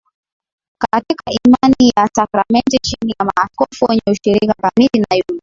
katika imani na sakramenti chini ya maaskofu wenye ushirika kamili na yule